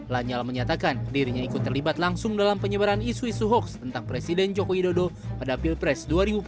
lanyala menyatakan dirinya ikut terlibat langsung dalam penyebaran isu isu hoax tentang presiden joko widodo pada pilpres dua ribu empat belas